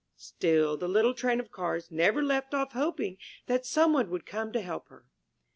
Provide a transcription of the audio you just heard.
Still the little Train of Cars never left off hoping that some one would come to help her.